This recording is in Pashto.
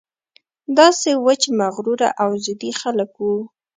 داسې وچ مغروره او ضدي خلک وو.